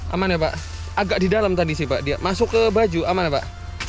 aman ya pak agak di dalam tadi sih pak dia masuk ke baju aman pak